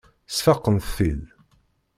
Sfaqent-t-id.